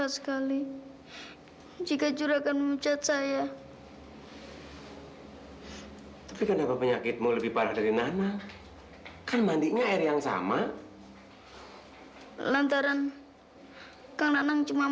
sebaiknya bapak juga melihat akibat buruk dari ulasi nanang